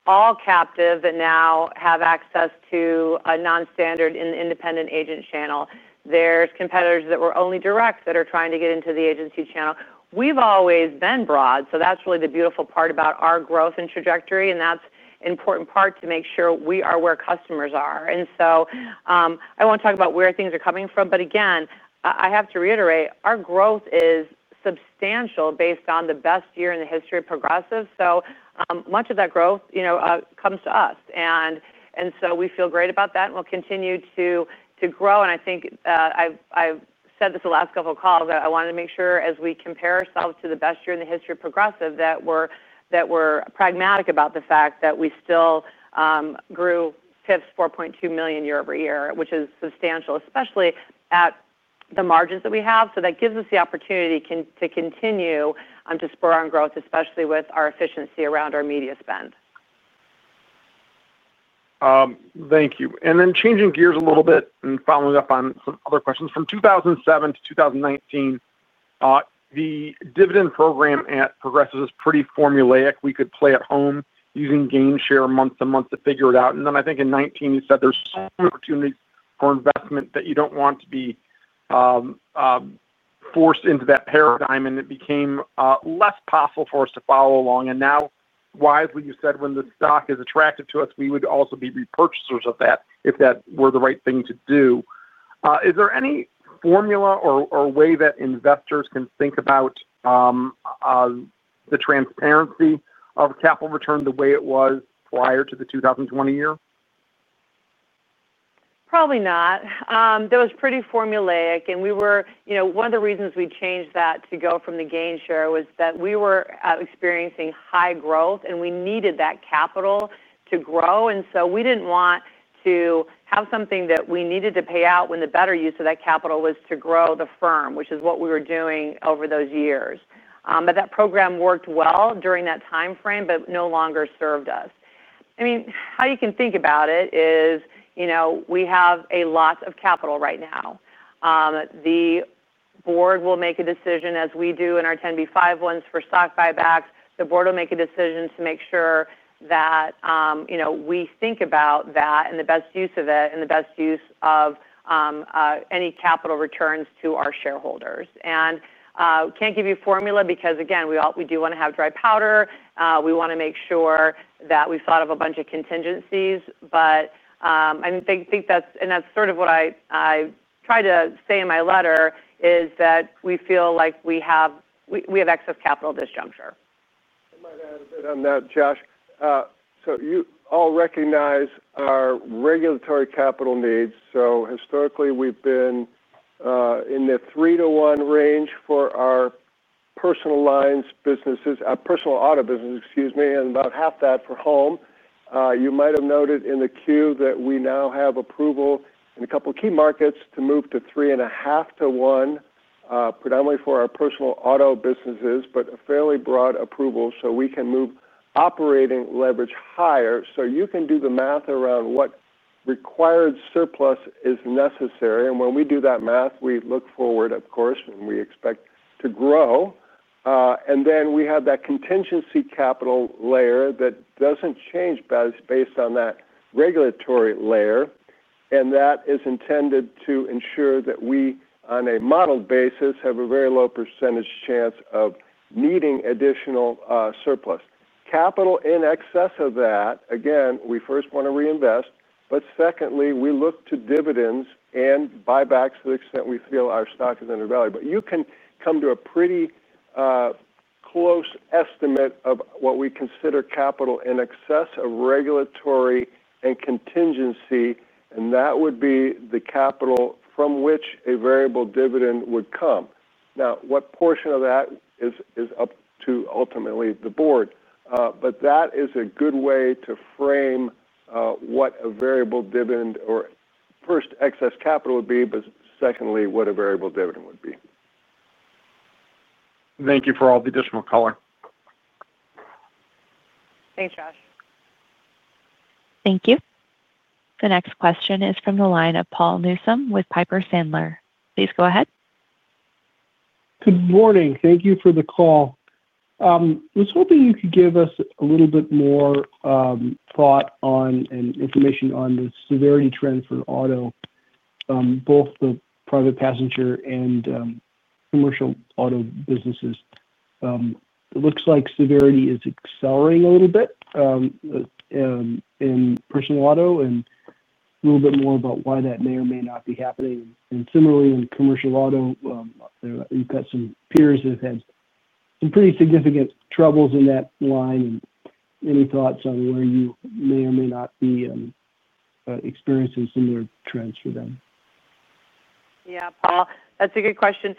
all captive that now have access to a non-standard and independent agent channel. There's competitors that were only direct that are trying to get into the agency channel. We've always been broad. So that's really the beautiful part about our growth and trajectory. And that's an important part to make sure we are where customers are. And so I won't talk about where things are coming from. But again, I have to reiterate, our growth is substantial based on the best year in the history of Progressive. So much of that growth comes to us. And so we feel great about that, and we'll continue to grow. And I think I've said this the last couple of calls, but I wanted to make sure as we compare ourselves to the best year in the history of Progressive that we're pragmatic about the fact that we still grew PIFs 4.2 million year-over-year, which is substantial, especially at the margins that we have. So that gives us the opportunity to continue to spur on growth, especially with our efficiency around our media spend. Thank you. And then changing gears a little bit and following up on some other questions. From 2007 to 2019. The dividend program at Progressive is pretty formulaic. We could play at home using same share month to month to figure it out. And then I think in 2019, you said there's some opportunities for investment that you don't want to be forced into that paradigm, and it became less possible for us to follow along. And now, wisely, you said when the stock is attractive to us, we would also be repurchasers of that if that were the right thing to do. Is there any formula or way that investors can think about the transparency of capital return the way it was prior to the 2020 year? Probably not. That was pretty formulaic. And one of the reasons we changed that to go from the game share was that we were experiencing high growth, and we needed that capital to grow. And so we didn't want to have something that we needed to pay out when the better use of that capital was to grow the firm, which is what we were doing over those years. But that program worked well during that timeframe but no longer served us. I mean, how you can think about it is we have a lot of capital right now. The board will make a decision as we do in our 10b5-1 plans for stock buybacks to make sure that we think about that and the best use of it and any capital returns to our shareholders. And I can't give you a formula because, again, we do want to have dry powder. We want to make sure that we've thought of a bunch of contingencies. But I think that's, and that's sort of what I try to say in my letter, is that we feel like we have excess capital at this juncture. I might add a bit on that, Josh. So you all recognize our regulatory capital needs. So historically, we've been in the three-to-one range for our personal lines businesses, our personal auto business, excuse me, and about half that for home. You might have noted in the queue that we now have approval in a couple of key markets to move to three and a half to one, predominantly for our personal auto businesses, but a fairly broad approval so we can move operating leverage higher. So you can do the math around what required surplus is necessary. And when we do that math, we look forward, of course, and we expect to grow. And then we have that contingency capital layer that doesn't change based on that regulatory layer. And that is intended to ensure that we, on a modeled basis, have a very low percentage chance of needing additional surplus. Capital in excess of that, again, we first want to reinvest. But secondly, we look to dividends and buybacks to the extent we feel our stock is undervalued. But you can come to a pretty close estimate of what we consider capital in excess of regulatory and contingency. And that would be the capital from which a variable dividend would come. Now, what portion of that is up to ultimately the board. But that is a good way to frame what a variable dividend or first excess capital would be, but secondly, what a variable dividend would be. Thank you for all the additional color. Thanks, Josh. Thank you. The next question is from the line of Paul Newsome with Piper Sandler. Please go ahead. Good morning. Thank you for the call. I was hoping you could give us a little bit more thoughts on and information on the severity trend for auto, both the private passenger and commercial auto businesses. It looks like severity is accelerating a little bit in personal auto and a little bit more about why that may or may not be happening. And similarly, in commercial auto, you've got some peers that have had some pretty significant troubles in that line. And any thoughts on where you may or may not be experiencing similar trends for them? Yeah, Paul, that's a good question.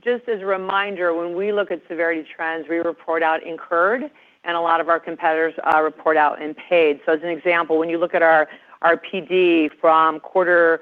Just as a reminder, when we look at severity trends, we report out incurred, and a lot of our competitors report out impaired. So as an example, when you look at our PD from quarter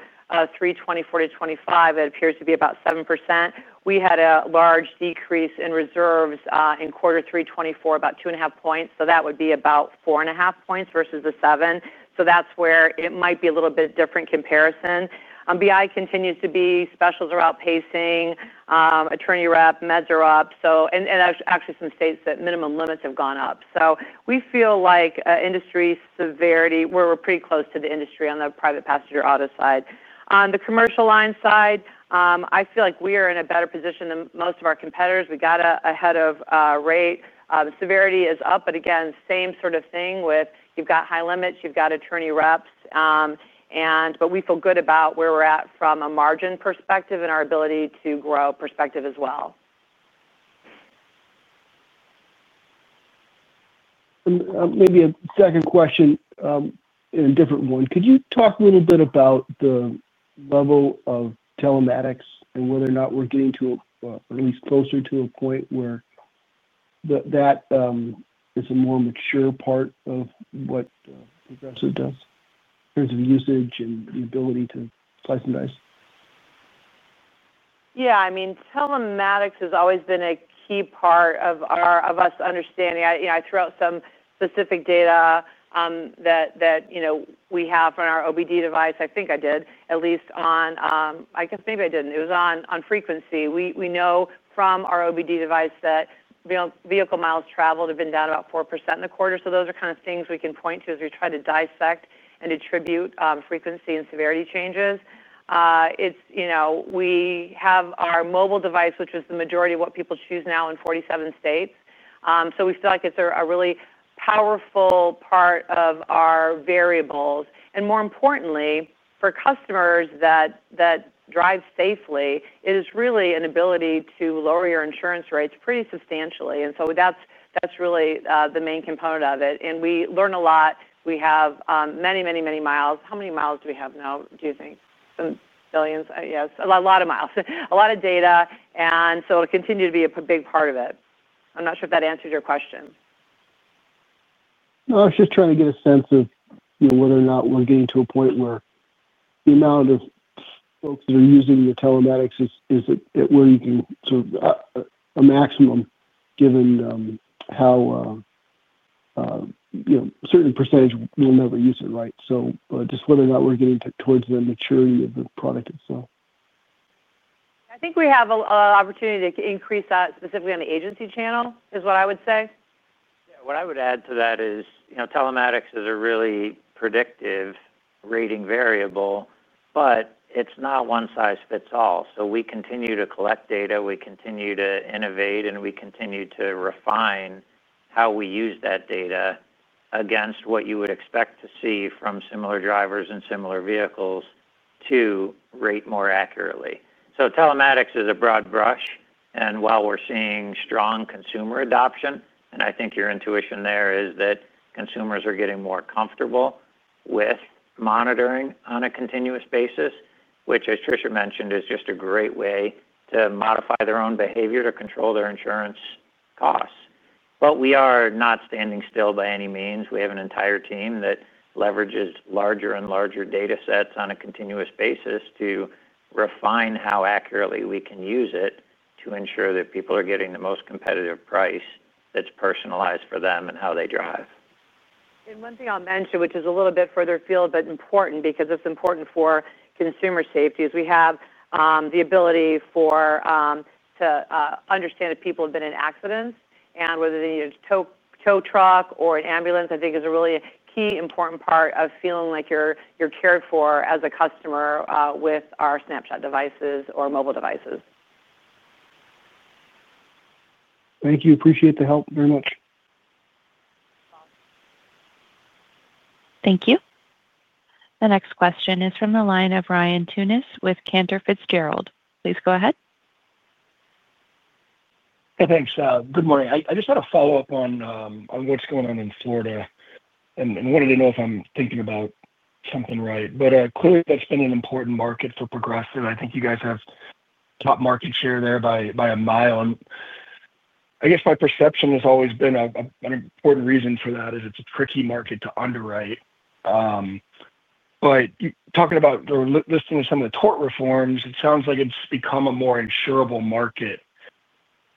three 2024 to 2025, it appears to be about 7%. We had a large decrease in reserves in quarter three 2024, about 2.5 points. So that would be about 4.5 points versus the 7%. So that's where it might be a little bit different comparison. BI continues to be. Specials are outpacing. Attorney rep, meds are up. And actually, some states that minimum limits have gone up. So we feel like industry severity, we're pretty close to the industry on the private passenger auto side. On the commercial line side, I feel like we are in a better position than most of our competitors. We got ahead of rate. Severity is up, but again, same sort of thing with you've got high limits, you've got attorney reps. But we feel good about where we're at from a margin perspective and our ability to grow perspective as well. Maybe a second question. In a different one. Could you talk a little bit about the level of telematics and whether or not we're getting to at least closer to a point where that is a more mature part of what Progressive does in terms of usage and the ability to slice and dice? Yeah. I mean, telematics has always been a key part of us understanding. I threw out some specific data that we have from our OBD device. I think I did, at least on, I guess maybe I didn't. It was on frequency. We know from our OBD device that vehicle miles traveled have been down about 4% in the quarter. So those are kind of things we can point to as we try to dissect and attribute frequency and severity changes. We have our mobile device, which is the majority of what people choose now in 47 states. So we feel like it's a really powerful part of our variables. And more importantly, for customers that drive safely, it is really an ability to lower your insurance rates pretty substantially. And so that's really the main component of it. And we learn a lot. We have many, many, many miles. How many miles do we have now, do you think? Some billions. Yes. A lot of miles. A lot of data. And so it'll continue to be a big part of it. I'm not sure if that answered your question. I was just trying to get a sense of whether or not we're getting to a point where the amount of folks that are using the telematics is at where you can sort of a maximum given how certain percentage will never use it, right? So just whether or not we're getting towards the maturity of the product itself. I think we have an opportunity to increase that specifically on the agency channel is what I would say. Yeah. What I would add to that is telematics is a really predictive rating variable, but it's not one-size-fits-all. So we continue to collect data. We continue to innovate, and we continue to refine how we use that data against what you would expect to see from similar drivers and similar vehicles to rate more accurately. So telematics is a broad brush. And while we're seeing strong consumer adoption, and I think your intuition there is that consumers are getting more comfortable with monitoring on a continuous basis, which, as Tricia mentioned, is just a great way to modify their own behavior to control their insurance costs. But we are not standing still by any means. We have an entire team that leverages larger and larger data sets on a continuous basis to refine how accurately we can use it to ensure that people are getting the most competitive price that's personalized for them and how they drive. One thing I'll mention, which is a little bit further afield but important because it's important for consumer safety, is we have the ability to understand if people have been in accidents and whether they need a tow truck or an ambulance. I think is a really key important part of feeling like you're cared for as a customer with our Snapshot devices or mobile devices. Thank you. Appreciate the help very much. Thank you. The next question is from the line of Ryan Tunis with Cantor Fitzgerald. Please go ahead. Hey, thanks. Good morning. I just had a follow-up on what's going on in Florida and wanted to know if I'm thinking about something right. But clearly, that's been an important market for Progressive. I think you guys have top market share there by a mile. And I guess my perception has always been an important reason for that is it's a tricky market to underwrite. But talking about listening to some of the tort reforms, it sounds like it's become a more insurable market.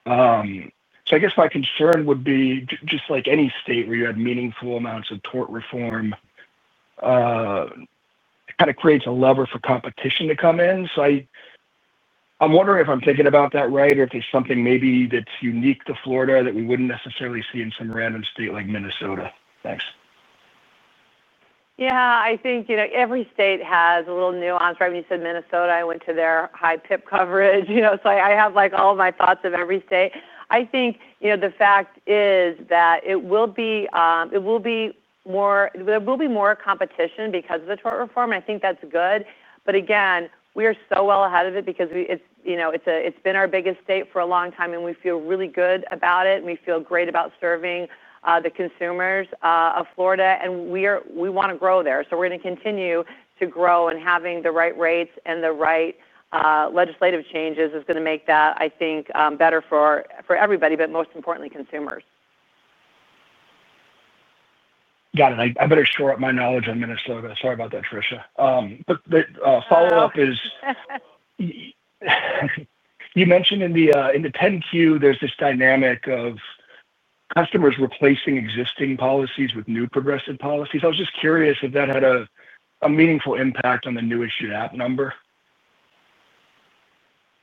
So I guess my concern would be just like any state where you had meaningful amounts of tort reform. Kind of creates a lever for competition to come in. So. I'm wondering if I'm thinking about that right or if there's something maybe that's unique to Florida that we wouldn't necessarily see in some random state like Minnesota. Thanks. Yeah. I think every state has a little nuance, right? When you said Minnesota, I went to their high PIP coverage. So I have all of my thoughts of every state. I think the fact is that it will be more. There will be more competition because of the tort reform. I think that's good. But again, we are so well ahead of it because it's been our biggest state for a long time, and we feel really good about it. And we feel great about serving the consumers of Florida. And we want to grow there. So we're going to continue to grow. And having the right rates and the right legislative changes is going to make that, I think, better for everybody, but most importantly, consumers. Got it. I better shore up my knowledge on Minnesota. Sorry about that, Tricia. But the follow-up is. You mentioned in the 10Q, there's this dynamic of. Customers replacing existing policies with new Progressive policies. I was just curious if that had a meaningful impact on the new issued app number.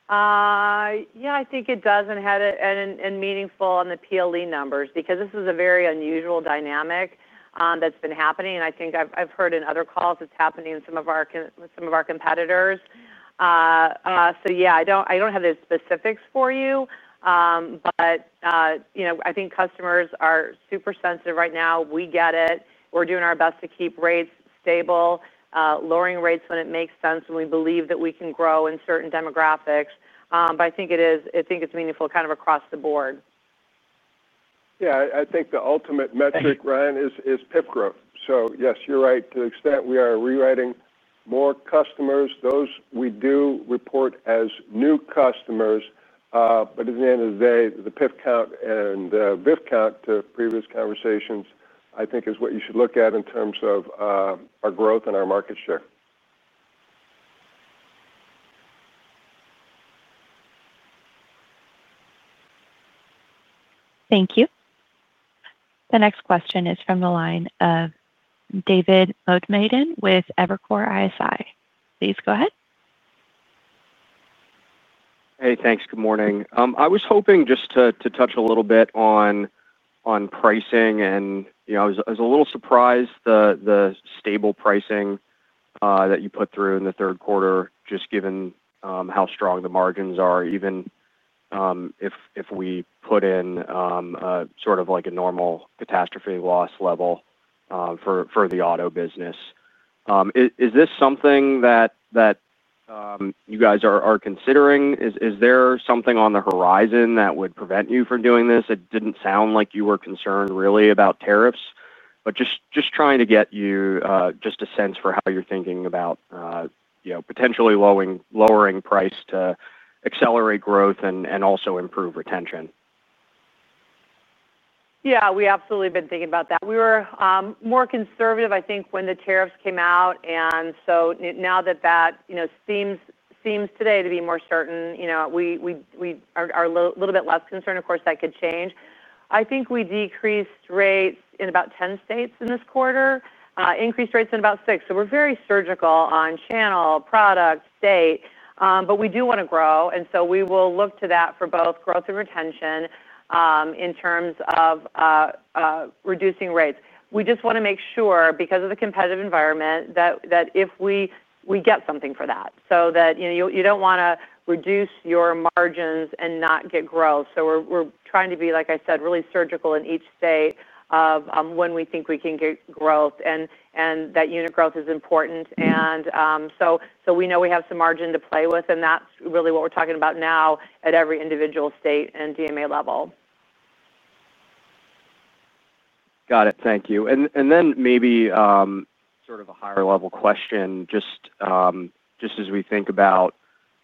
Yeah, I think it does and had a meaningful impact on the PLE numbers because this is a very unusual dynamic that's been happening, and I think I've heard in other calls it's happening in some of our competitors. So yeah, I don't have the specifics for you, but I think customers are super sensitive right now. We get it. We're doing our best to keep rates stable, lowering rates when it makes sense, when we believe that we can grow in certain demographics, but I think it is, I think it's meaningful kind of across the board. Yeah. I think the ultimate metric, Ryan, is PIP growth. So yes, you're right. To the extent we are rewriting more customers, those we do report as new customers. But at the end of the day, the PIP count and the VIF count to previous conversations, I think, is what you should look at in terms of our growth and our market share. Thank you. The next question is from the line of David Motemeden with Evercore ISI. Please go ahead. Hey, thanks. Good morning. I was hoping just to touch a little bit on pricing and I was a little surprised the stable pricing that you put through in the third quarter, just given how strong the margins are, even if we put in sort of like a normal catastrophe loss level for the auto business. Is this something that you guys are considering? Is there something on the horizon that would prevent you from doing this? It didn't sound like you were concerned really about tariffs, but just trying to get you just a sense for how you're thinking about potentially lowering price to accelerate growth and also improve retention. Yeah. We absolutely have been thinking about that. We were more conservative, I think, when the tariffs came out. And so now that that seems today to be more certain, we are a little bit less concerned. Of course, that could change. I think we decreased rates in about 10 states in this quarter, increased rates in about six. So we're very surgical on channel, product, state. But we do want to grow. And so we will look to that for both growth and retention. In terms of reducing rates. We just want to make sure, because of the competitive environment, that if we get something for that. So that you don't want to reduce your margins and not get growth. So we're trying to be, like I said, really surgical in each state of when we think we can get growth. And that unit growth is important. And so we know we have some margin to play with. And that's really what we're talking about now at every individual state and DMA level. Got it. Thank you. And then maybe sort of a higher-level question, just as we think about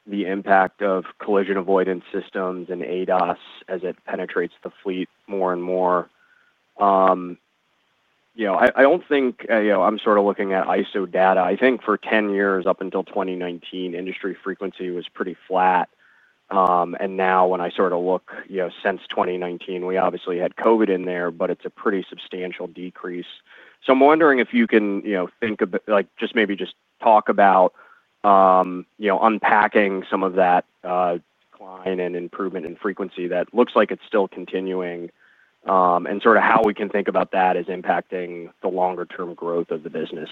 the impact of collision avoidance systems and ADAS as it penetrates the fleet more and more. I don't think I'm sort of looking at ISO data. I think for 10 years up until 2019, industry frequency was pretty flat. And now when I sort of look since 2019, we obviously had COVID in there, but it's a pretty substantial decrease. So I'm wondering if you can think of just maybe just talk about unpacking some of that decline and improvement in frequency that looks like it's still continuing. And sort of how we can think about that as impacting the longer-term growth of the business.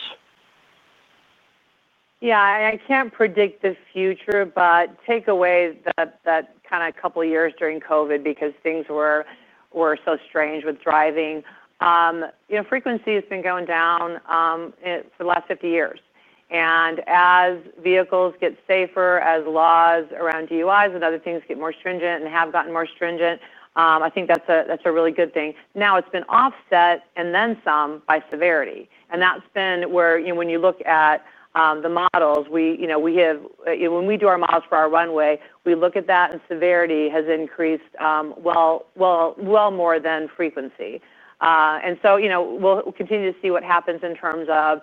Yeah. I can't predict the future, but take away that kind of couple of years during COVID because things were so strange with driving. Frequency has been going down for the last 50 years. And as vehicles get safer, as laws around DUIs and other things get more stringent and have gotten more stringent, I think that's a really good thing. Now it's been offset and then some by severity. And that's been where when you look at the models, we have, when we do our models for our runway, we look at that, and severity has increased well more than frequency. And so we'll continue to see what happens in terms of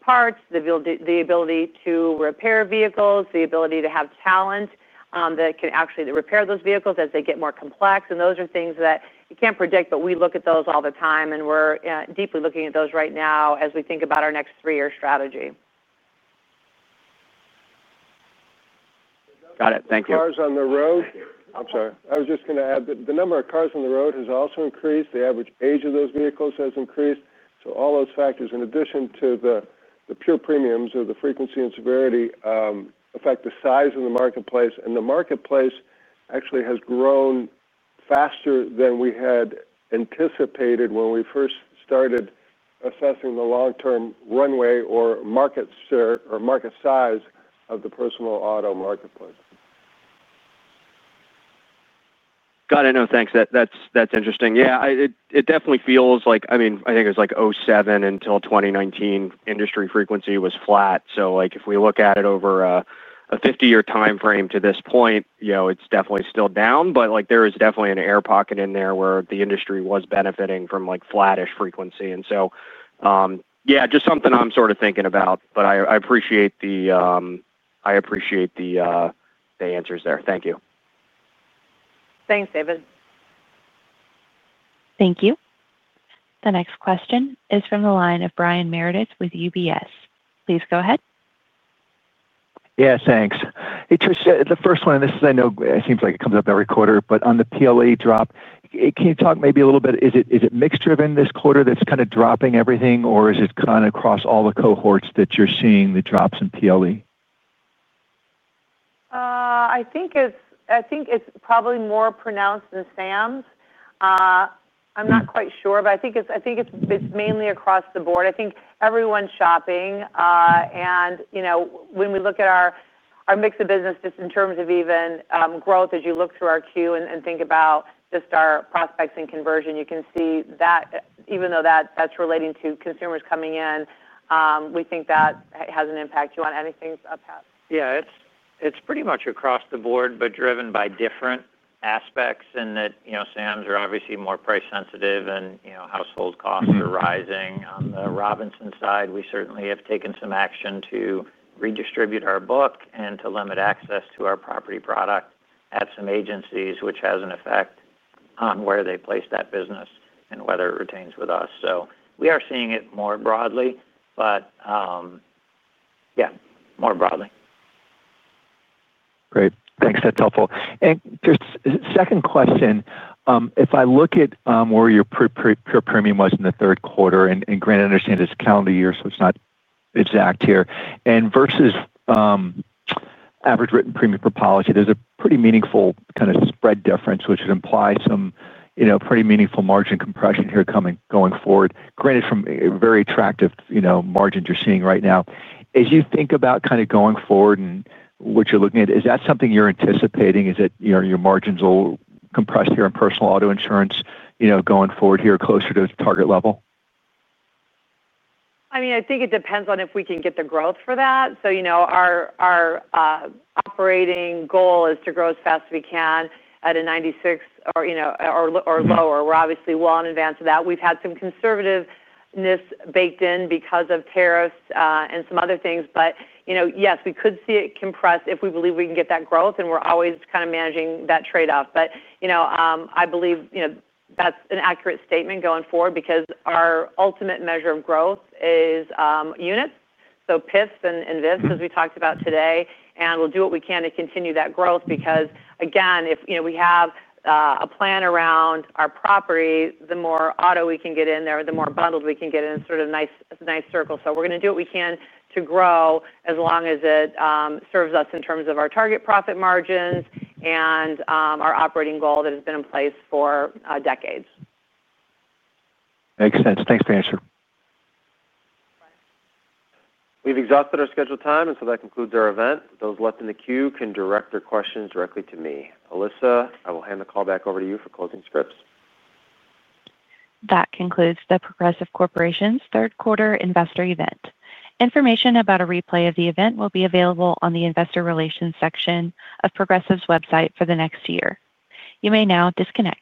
parts, the ability to repair vehicles, the ability to have talent that can actually repair those vehicles as they get more complex. And those are things that you can't predict, but we look at those all the time. And we're deeply looking at those right now as we think about our next three-year strategy. Got it. Thank you. Cars on the road. I'm sorry. I was just going to add that the number of cars on the road has also increased. The average age of those vehicles has increased. So all those factors, in addition to the pure premiums of the frequency and severity, affect the size of the marketplace. And the marketplace actually has grown. Faster than we had anticipated when we first started assessing the long-term runway or market share or market size of the personal auto marketplace. Got it. No, thanks. That's interesting. Yeah. It definitely feels like, I mean, I think it was like 2007 until 2019, industry frequency was flat. So if we look at it over a 50-year timeframe to this point, it's definitely still down. But there is definitely an air pocket in there where the industry was benefiting from flat-ish frequency. And so. Yeah, just something I'm sort of thinking about. But I appreciate the answers there. Thank you. Thanks, David. Thank you. The next question is from the line of Brian Meredith with UBS. Please go ahead. Yeah, thanks. Tricia, the first one of this is - I know it seems like it comes up every quarter - but on the PLE drop, can you talk maybe a little bit? Is it mixed-driven this quarter that's kind of dropping everything, or is it kind of across all the cohorts that you're seeing the drops in PLE? I think it's probably more pronounced in Sams. I'm not quite sure, but I think it's mainly across the board. I think everyone's shopping. And when we look at our mix of business, just in terms of even growth, as you look through our queue and think about just our prospects and conversion, you can see that even though that's relating to consumers coming in, we think that has an impact. Do you want anything up? Yeah. It's pretty much across the board, but driven by different aspects in that Sams are obviously more price-sensitive, and household costs are rising. On the Robinsons side, we certainly have taken some action to redistribute our book and to limit access to our property product at some agencies, which has an effect on where they place that business and whether it retains with us. So we are seeing it more broadly, but yeah, more broadly. Great. Thanks. That's helpful. And second question, if I look at where your pure premium was in the third quarter, and granted, I understand it's calendar year, so it's not exact here, and versus average written premium per policy, there's a pretty meaningful kind of spread difference, which would imply some pretty meaningful margin compression here going forward, granted from very attractive margins you're seeing right now. As you think about kind of going forward and what you're looking at, is that something you're anticipating? Is it your margins will compress here in personal auto insurance going forward here closer to target level? I mean, I think it depends on if we can get the growth for that. So. Our operating goal is to grow as fast as we can at a 96% or lower. We're obviously well in advance of that. We've had some conservativeness baked in because of tariffs and some other things. But yes, we could see it compress if we believe we can get that growth. And we're always kind of managing that trade-off. But I believe that's an accurate statement going forward because our ultimate measure of growth is units, so PIFs and VIFs, as we talked about today. And we'll do what we can to continue that growth because, again, if we have a plan around our property, the more auto we can get in there, the more bundled we can get in, sort of a nice circle. So we're going to do what we can to grow as long as it serves us in terms of our target profit margins and our operating goal that has been in place for decades. Makes sense. Thanks for your answer. We've exhausted our scheduled time, and so that concludes our event. Those left in the queue can direct their questions directly to me. Alyssa, I will hand the call back over to you for closing scripts. That concludes the Progressive Corporation's third-quarter investor event. Information about a replay of the event will be available on the investor relations section of Progressive's website for the next year. You may now disconnect.